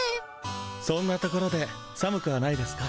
「そんな所で寒くはないですか？」。